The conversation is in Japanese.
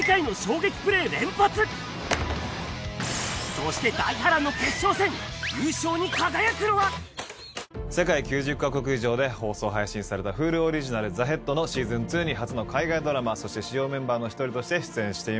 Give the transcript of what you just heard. そして世界９０か国以上で放送配信されたＨｕｌｕオリジナル『ＴＨＥＨＥＡＤ』のＳＥＡＳＯＮ２に初の海外ドラマそして主要メンバーの１人として出演します。